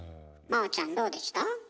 真央ちゃんどうでした？